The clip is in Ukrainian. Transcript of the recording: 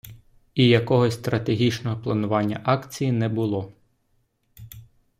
І якогось стратегічного планування акції не було.